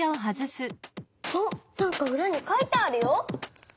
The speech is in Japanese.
あっなんかうらに書いてあるよ。